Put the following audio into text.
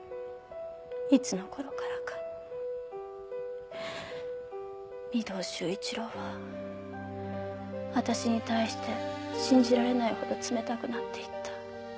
いつの頃からか御堂周一郎は私に対して信じられないほど冷たくなって行った。